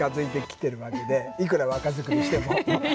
いくら若作りしても。